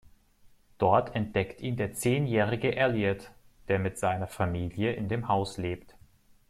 Dort entdeckt ihn der zehnjährige Elliott, der mit seiner Familie in dem Haus lebt.